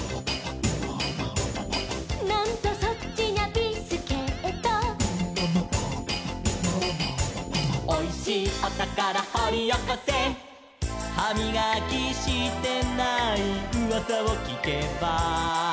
「なんとそっちにゃビスケット」「おいしいおたからほりおこせ」「はみがきしてないうわさをきけば」